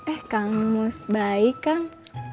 eh kang mus baik kang